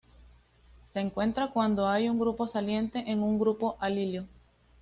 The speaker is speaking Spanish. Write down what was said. Se encuentra cuando hay un grupo saliente en un grupo alilo.